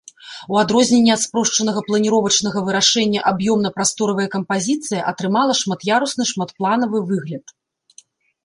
У адрозненне ад спрошчанага планіровачнага вырашэння аб'ёмна-прасторавая кампазіцыя атрымала шмат'ярусны шматпланавы выгляд.